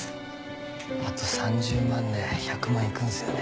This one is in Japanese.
あと３０万で１００万いくんすよね。